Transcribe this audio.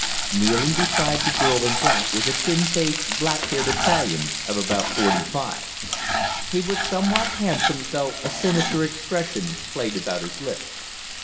Kneeling beside the girl in black was a thin faced, black haired Italian of about forty five. He was somewhat handsome, though a sinister expression played about his lips.